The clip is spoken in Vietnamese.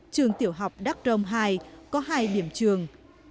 trường tiểu học đắk rồng hai có hai điểm trường